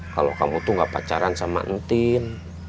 kalau kamu tuh gak pacaran sama entin